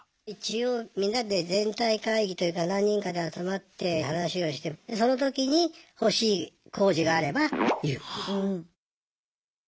一応みんなで全体会議というか何人かで集まって話をしてでその時に欲しい工事があれば言う。